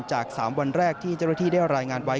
จาก๓วันแรกที่เจ้าหน้าที่ได้รายงานไว้